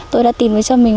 tôi đã tìm được cho mình